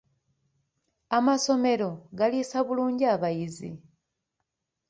Amasomero galiisa bulungi abayizi?